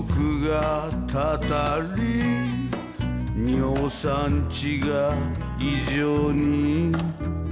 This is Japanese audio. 「尿酸値が異常に高い」